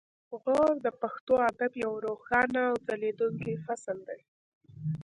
غور د پښتو ادب یو روښانه او ځلیدونکی فصل دی